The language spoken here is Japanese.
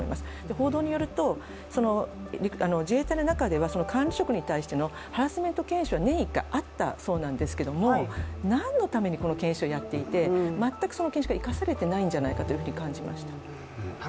報道によると、自衛隊の中では管理職に対してのハラスメント研修は年に一回あったそうなんですけれどもなんのために研修をやっていて全くその研修が生かされていないのではと感じました。